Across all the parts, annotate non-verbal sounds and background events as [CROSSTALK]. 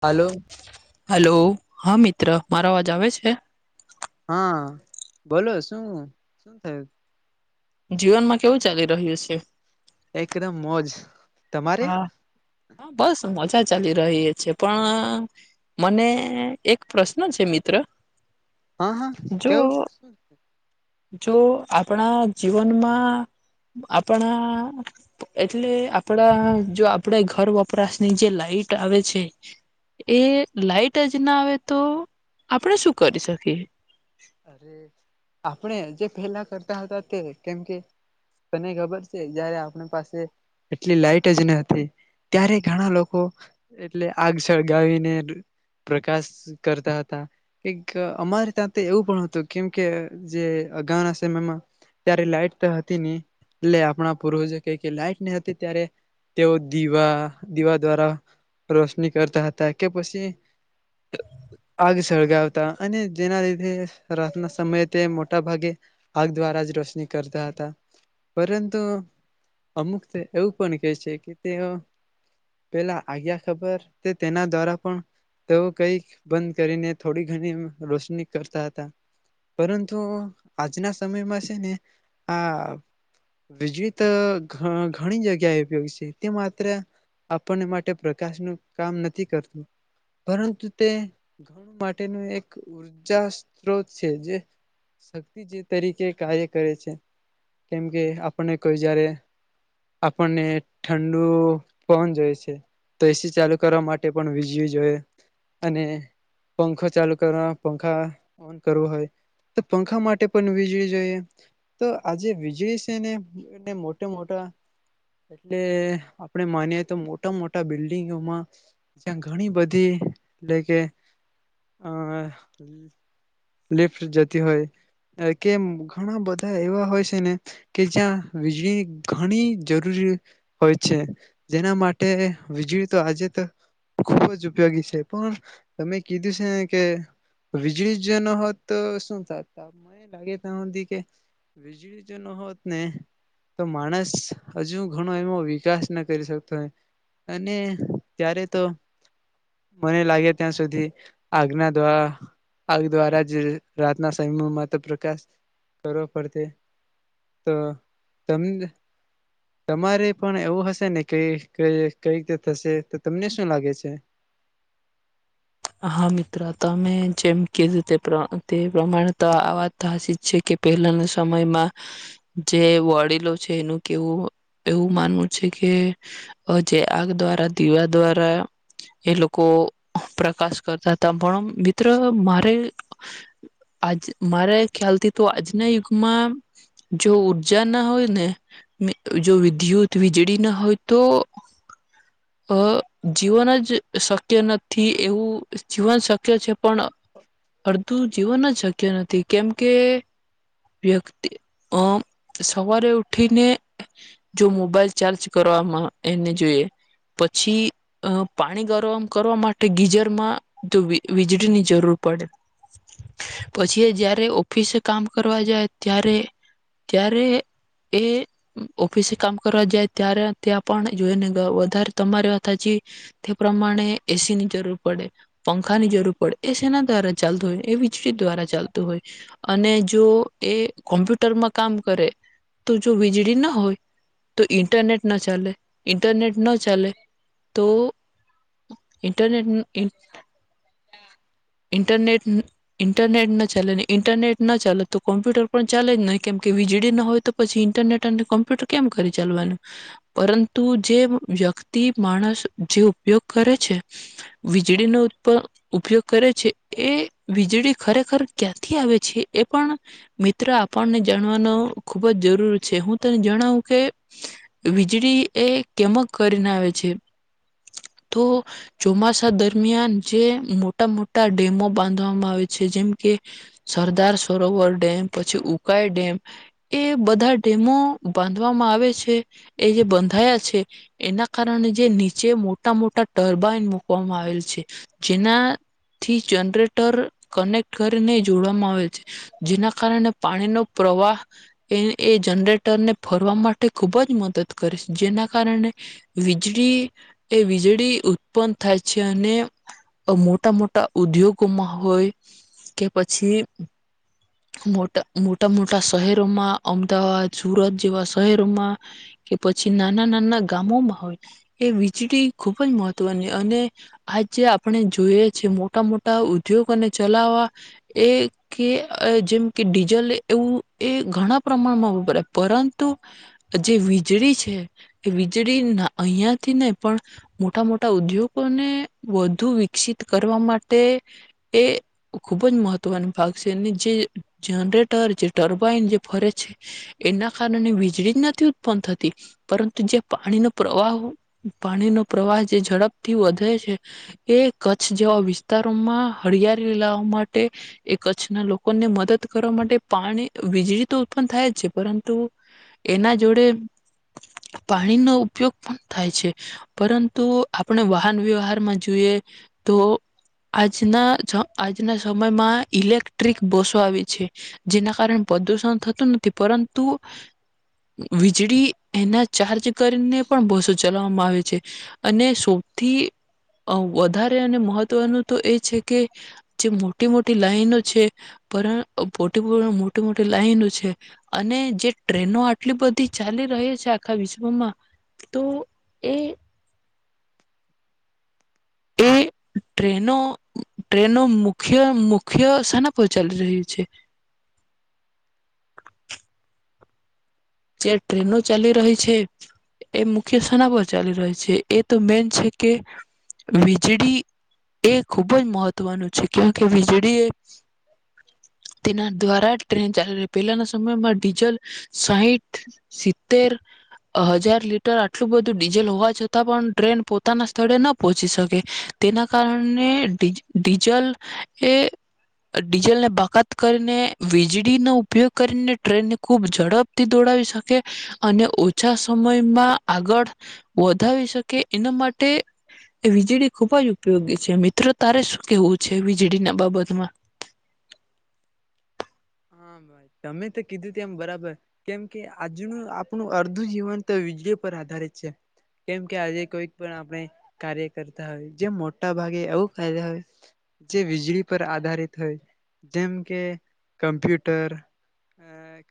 Hello. Hello હા મિત્ર મારો અવાજ આવે છે. હા બોલો શું શું થયું. જીવનમાં કેવું ચાલી રહ્યું છે. એકદમ મોજ. તમારે હા હા બસ જ ચા ચાલી રહી છે પણ મને એક પ્રશ્ન છે મિત્ર. હા હા જો કેવું શું? જો આપણા જીવનમાં આપણા એટલે આપણા જો આપણે ઘર વપરાશની જે લાઈટ આવે છે એ લાઈટ જ ના આવે તો આપણે શું કરી શકીએ. અરે આપણે જે પેલા કરતા હતા તે કેમકે તને ખબર છે જયારે આપણી પાસે એટલી લાઈટ જ ન હતી ત્યારે ઘણા લોકો એટલે આગ સળગાવીને પ્રકાશ કરતા હતા એક અમારે ત્યા એવું પણ હતું કેમ કે જે અગાઉના સમયમાં ત્યારે લાઈટ તો હતી નહ એટલે આપણા પુરુષ ક કે લાઈટ નહી હતી ત્યારે તેઓ દીવા દીવા દ્વારા રોશની કરતા હતા કે પછી આગ સળગાવતા અને જેના રાતના સમયે તે મોટા ભાગે આગ દ્વારા જ રોશની કરતા હતા પરંતુ અમુક એવું પણ કેહે છે કે તેઓ પેલા આગ્યા ખબર તે તેના દ્વારા પણ તેઓ કઈક બંધ કરીને થોડી ઘણી રોશની કરતા હતા પરંતુ આજના સમયમાં છે ને આ વીજળીત ઘણી જગ્યાએ ઉપયોગી છે તે માત્ર આપણને માટે પ્રકાશનું કામ નથી કરતું પરંતુ તે ઘણું માટેનું એક ઉર્જા સ્ત્રોત છે જે શક્તિ જે તરીકે કાર્ય કરે છે કેમકે આપણને કોઈ જ્યારે આપણને ઠંડુ પવન જોએ છે તો એસી ચાલુ કરવા માટે પણ વીજળી જોઈએ અને પંખો ચાલુ કરવા પંખા ઓન કરવું હોય તો પંખા માટે પણ વીજળી જોઈએ તો આજે વીજળી છે ને મોટા મોટા એટલે આપણે માનીએ તો મોટા મોટા બિલ્ડિંગોમાં જ્યાં ઘણી બધી એટલે કે અ લિફ્ટ જતી હોય કે ઘણા બધા એવા હોય છે ને કે જ્યાં વીજળી ઘણી જરૂરી હોય છે જેના માટે વીજળી તો આજે તો ખુબ જ ઉપયોગી છે પણ તમે કીધું છેને કે વીજળી જો ન હોત તો શું થ મને લાગે ત્યાં સુધી કે વીજળી જ ન હોત ને તો માણસ હજુ ઘણો એનો વિકાસ ના કરી શકતો હોય અને ત્યારે તો મને લાગે ત્યાં સુધી આજ્ના દ્વારા આગ દ્વારા જ રાતના સમયમાં તો પ્રકાશ કરો પડશે તો ત તમારે પણ એવું હશે ને ક કઈ રીતે થશે તો તમને શું લાગે છે. હા મિત્ર તમે જેમ કીધું તે તે પ્રમાણે તો આ વાત થાસી છે કે પહેલાના સમયમાં જે વડીલો છે એનું કેવું એવું માનવું છે કે જે આગ દ્વારા દીવા દ્વારા એ લોકો પ્રકાશ કરતા હતા પણ મિત્ર મારે આજ મારે ખ્યાલથી તો આજના યુગમાં જો ઉઊર્જા ના હોય ને જો વિદ્યુત વીજળી ના હોય તો અ જીવન જ શક્ય નથી. એવું જીવન શક્ય છે પણ અડધું જીવન જ શક્ય નથી કેમકે વ્યક્તિ અ સવારે ઉઠીને જો મોબાઈલ ચાર્જ કરવાવામાં એને જોઈએ પછી પાણી ગરમ કરવા માટે ગીજરમાં તો વીજળીની જરૂર પડે પછી જય્યારે ઓફિસે કામ કરવા જાય ત્યારે ત્યારે એ ઓફિસે કામ કરવા જાય ત્યારે ત્યાં પણ જોઈ ને વધારે તમારી વાથ હચી તે પ્રમાણે એસી પડ પંખાની જરૂર પડે એ સેના દ્વારા ચાલતું હોય એ વીજળી દ્વારા ચાલતું હોય અને જો એ કોમ્પ્યુટરમાં કામ કરે તો જો વીજળી ના હોય તો ઈન્ટરનેટ ના ચાલે ઇન્ટરનેટ ના ચાલે તો ઇન્ટરનેટ ઇન્ટરનેટ ઇન્ટરનેટ ના ચાલે ને ઇન્ટરનેટ ના ચાલે તો કોમ્પ્યુટર પણ ચાલે જ નહી કેમ કે વીજળી ના હોય તો પછી ઇન્ટરનેટ અને કોમ્પ્યુટર કેમ કરી ચાલવાનું પરંતુ જે વ્યક્તિ માણસ જે ઉપયોગ કરે છે. વીજળીનો ઉપયોગ કરે છે એ વીજળી ખરેખર ક્યાંથી આવે છે એ પણ મિત્ર આપણને જાણવાનો ખુબ જ જરૂર છે હું તને જણાવું કે વીજળી એ કેમ કરીને આવે છે તો ચોમાસા દરમિયાન જે મોટા મોટા ડેમો બાંધવામાં આવે છે જેમ કે સરદાર સરોવર ડેમ પછી ઉકાઈ ડેમ એ બધા ડેમો બાંધવામાં આવે છે એ જે બાંધાયા છે એના કારણે જે નીચે મોટા મોટા ટરબાઈન કવામાં આવેલ છે જેના થી જનરેટર કનેક્ટ કરીને જોડવામાં આવેલ છે જેના કારણે પાણીનોો પ્રવાહ એ એ જનરેટર ને ફરવા માટે ખુબ જ મદદ કરે છે જેના કારણે વીજળી એ વીજળી ઉત્પન થાય છે અને મોટા મોટા ઉદ્યોગોમાં હોય કે પછી મોટા મોટા મોટા શહેરોમાં અમદાવાદ સુરત જેવા શહેરોમાં કે પછી નાના નાના ગામોમાં હોય એ વીજળી ખુબ જ મહત્વ અને આજ જે આપણે જોઈએ છે મોટા મોટા ઉદ્યોગને ચલાવવા એ કે જેમ કે ડીઝલ એવું એ ઘણા પ્રમાણમાં વપરાય પરંતુ જે વીજળી છે એ વીજળી અહિયાંથી નહી પણ મોટા મોટા ઉદ્યોગોને વધુ વિકસિત કરવા માટે એ ખુબ જ મહત્વનો ભાગ છે અને જે જનરેટર જે ટર્બાાઈન જે ફરે છે એના કારણે વીજળી જ નથી ઉત્પન્ન થતી પરંતુ જે પાણીનો પ્રવાહ પાણીનો પ્રવાહ જે ઝડપથી વધે છે એ કચ્છ જેવા વિસ્તારોમાં હળિયાળી લાવવા માટે એ કચ્છના લોકોને મદદ કરવા માટે પાણી વીજળી તો ઉત્પન થાય જ છે પરંતુ એના જોડે પાણીનો ઉપયોગ પણ થાય છે પરંતુ તો આપણે વાહન વ્યવહારમાં જોઈએ તો આજના આજના સમયમાં ઇલેક્ટ્રિક બસો આવે છે જેના કારણે પ્રદુષણ થતું નથી પરંતુ વીજળી એના ચાર્જ કરીને પણ બસો ચલાવવામાં આવે છે. અને સૌથી વધારે અને મહત્વનું તો એ છે કે જે મોટી મોટી લાઈનો છે પણ પોટી મોટી મોટી લાઈનો છે અને જે ટ્રેનો આટલી બધી ચાલી રહી છે આખા વિશ્વમાં તો એ એ ટ્રેનો ટ્રેનો મુખ્ય મુખ્ય સ્થાન પર ચાલી રહ્યું છે. જે ટ્રેનો ચાલી રહી છે એ મુખ્ય સ્થના પર ચાલી રહી છે એ તો મેન છે કે વીજળી એ ખુબ જ મહત્વનું છે કે કે વીજળી એ તેના દ્વારા જ ટ્રેન ચાલી ર પહેલાના સમયમાં ડીઝલ સાહીઠ સિત્તેર હજાર લીટર આટલું બધું ડીઝલ હોવા છતાં પણ ટ્રેન પોતાના સ્થળે ના પહોંચી શકે તેના કારણે ડીજલ એ ડીઝલને બાકાત કરીને વીજળીનો ઉપયોગ કરીને ટ્રેનને ખૂબ ઝડપથી દોડાવી શકે અને ઓછા સમયમાં આગળ વધાવી શકે એના માટે વીજળી ખૂબ જ ઉપયોગી છે મિત્રો તારે શું કેવું છે વીજળી ના બાબતમાં હા ભાઈ તમે તો કીધું તેમ એમ બરાબર કેમ કે આજનું આપણું અર્ધું જીવન તો વીજળી પર આધારિત છે કેમકે આજે કોઈક પણ આપણે કાર્ય કરતા હોય જે મોટા ભાગે એવું ક હોય જે વીજળી પર આધારિત હોય જેમ કે કમ્પ્યુટર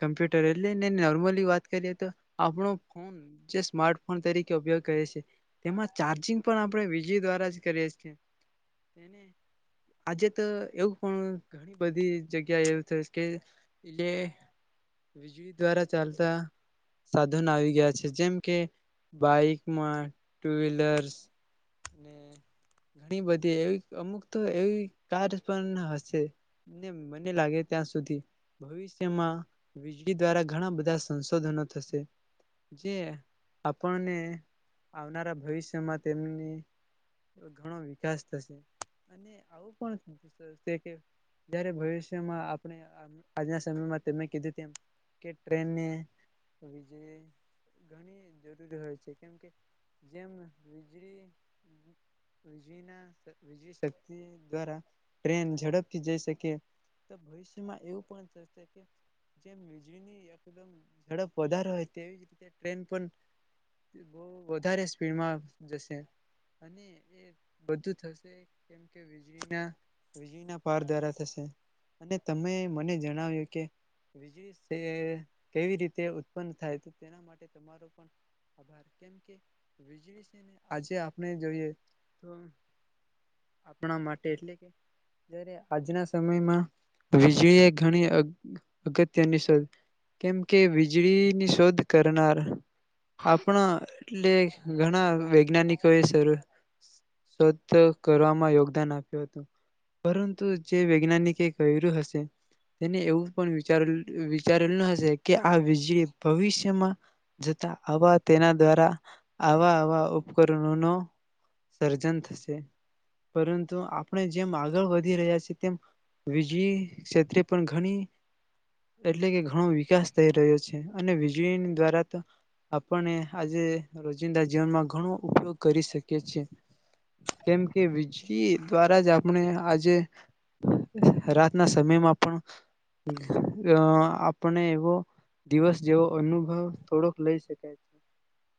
કમ્પ્યુટર એટલે ને નોર્મલી વાત કરીએ તો આપણો ફોન જે સ્માર્ટફોન તરીકે ઉપયોગ કરીએ છીએ તેમાં ચાર્જિંગ પણ આપણે વીજળ દ્વારા જ કરીએ છીએ તેને આજે તો એવું પણ ઘણી બધી જગ્યાએ એ લે વીજળી દ્વારા ચાલતા સાધનો આવી ગયા છે જેમ કે બાઈકમાં ટુ વ્હીલર્સ ઘણી બધી એવી અમુક તો એવી કાર પણ હશે મને લાગે. ત્યાં સુધી ભવિષ્યમાં વીજળી દ્વારા ઘણા બધા સંશોધનો થશે જે આપણને આવનારા ભવિષ્યમાં તેમની ઘણો વિકાસ થશે અને આવું પણ થશે કે જ્યારે ભવિષ્યમાં આજના સમયમાં તેમ કીધું તેમ કે ટ્રેનને વીજળી ઘણી જરૂરી હોય છે કેમકે જેમ વીજળી વીજળીના વીજળી શક્તિ દ્વારા ટ્રેન ઝડપથી જઈ શકે તો ભવિષ્ય જેમ વીજળી એકદમ ઝડપ વધાર હોય તેવી જ રીતે ટ્રેન પણ બ વધારે સ્પીડમાં જશે અને બધું થશે કેમ કે વજળીના વીજળીના પાર દ્વારા થશે અને તમે મને જણાવ્યું કે વીજળી સે કેવી રીતે ઉત્પન્ન થાય તો તેના માટે તમારો પણ આભાર કેમ કે વીજળી છેને આજે આપણે જોઈએ તો આપણા માટે એટલે કે જારે આજના સમયમાં વીજળી એ ઘણી અગ-અગત્યની શોધ કેમ કે વીજળીની શોધ કરનાર આપણા એટલે ઘણા વૈજ્ઞાનિકો એ સર શોધ કરવામાં યોગદાન આપ્યું હતું પરંતુ જે વૈજ્ઞાનિકે કઈ યુ હશે તેને એવું પણ વિચારેલ-અ-વિચારેલ ન હશે કે આ વીજળી ભવિષ્યમાં જતા આવા તેના દ્વારા આવા આવા ઉપકરણો નો સર્જન થશે પરંતુ આપણે જેમ આગળ વધી રહ્યા છે તેમ વીજ જળી ક્ષેત્રે પણ ઘણી એટલે કે ઘણો વિકાસ થઈ રહ્યો છે અને વીજળી દ્વારા તો આપને આજે રોજિંદા જીવનમાં ઘણો ઉપયોગ કરી શકીએ છે. કેમ કે વીજળી દ્વારા જ આપણે આજે રાતના સમયમાં પણ આપણે ઘ-અ આપણે એવો દિવસ જેવો અનુભવ થોડોક લઈ શકાય છે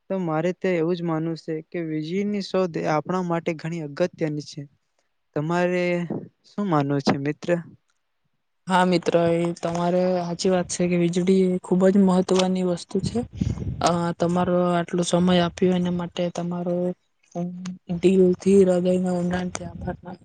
તો મારે તો એવું જ માનુંવ શે કે વીજળીની શોધ આપણા માટે ઘણી અગત્યની છે. તમારે શું માનવું છે મિત ત્ર. હા મિત્ર એ તમારે હાચી વાત છે કે વીજળી ખુબ જ મહત્વની વસ્તુ છે. અ તમારો આટલો સમય આપ્યો એના માટે તમારો હું દીલથી હૃદયનો [UNINTELLIGIBLE] [INAUDIBLE]